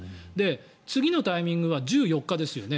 次のタイミングは１４日ですよね。